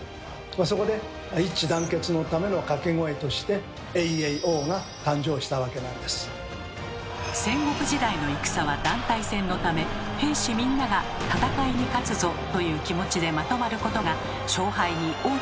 そこで戦国時代の戦は団体戦のため兵士みんなが戦いに勝つぞという気持ちでまとまることが勝敗に大きく影響しました。